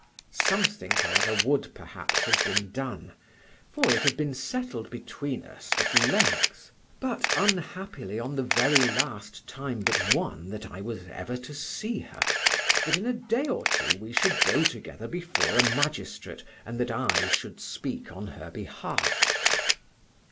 Something, however, would perhaps have been done, for it had been settled between us at length, but unhappily on the very last time but one that I was ever to see her, that in a day or two we should go together before a magistrate, and that I should speak on her behalf.